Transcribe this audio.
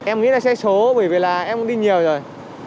em nghĩ là xe số bởi vì là em cũng đi nhiều rồi